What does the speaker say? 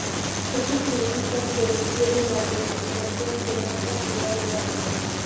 Esto significa que requieren la codificación de gran cantidad de datos.